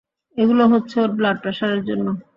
এগুলো হচ্ছে ওর ব্লাড প্রেশারের জন্য!